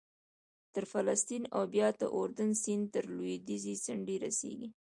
تر فلسطین او بیا د اردن سیند تر لوېدیځې څنډې رسېږي